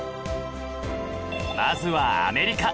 まずはアメリカ